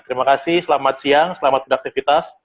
terima kasih selamat siang selamat beraktivitas